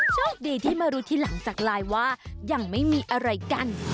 โชคดีที่มารู้ทีหลังจากไลน์ว่ายังไม่มีอะไรกัน